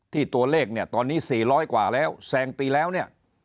ตัวเลขเนี่ยตอนนี้๔๐๐กว่าแล้วแซงปีแล้วเนี่ย